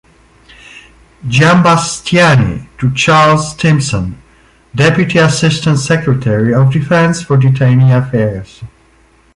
Giambastiani, to Charles Stimson, Deputy Assistant Secretary of Defense for Detainee Affairs.